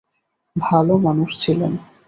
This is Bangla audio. ভালো মানুষ ছিলেন।